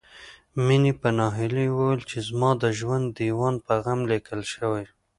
مينې په ناهيلۍ وويل چې زما د ژوند ديوان په غم ليکل شوی